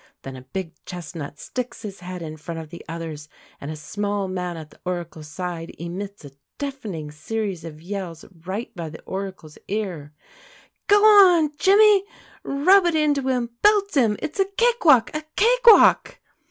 Then a big chestnut sticks his head in front of the others, and a small man at the Oracle's side emits a deafening series of yells right by the Oracle's ear: "Go on, Jimmy! Rub it into him! Belt him! It's a cake walk! A cake walk!"